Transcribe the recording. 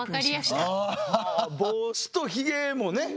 帽子とひげもね。